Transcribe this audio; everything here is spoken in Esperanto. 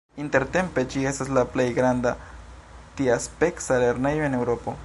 Intertempe ĝi estas la plej granda tiaspeca lernejo en Eŭropo.